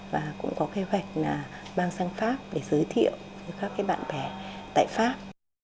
và cũng có kế hoạch mang sang pháp để giới thiệu với các bạn bè tại pháp